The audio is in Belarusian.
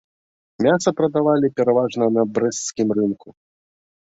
Мяса прадавалі пераважна на брэсцкім рынку.